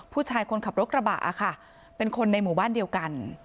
คนขับรถกระบะค่ะเป็นคนในหมู่บ้านเดียวกัน